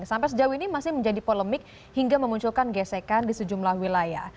sampai sejauh ini masih menjadi polemik hingga memunculkan gesekan di sejumlah wilayah